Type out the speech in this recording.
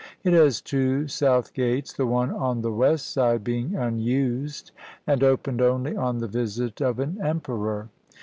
It has two south gates, the one on the west side being unused, and opened only on the visit of an emperor.